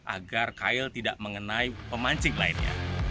agar kail tidak mengenai pemancing lainnya